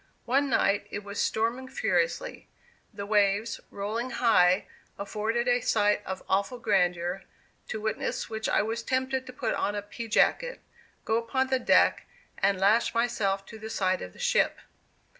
One night it was storming furiously. The waves, rolling high, afforded a sight of awful grandeur, to witness which I was tempted to put on a pea jacket, go upon the deck, and lash myself to the side of the ship.